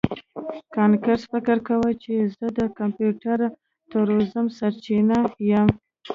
کانګرس فکر کاوه چې زه د کمپیوټري تروریزم سرچینه یم